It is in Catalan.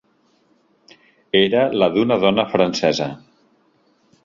Era la d"una dona francesa.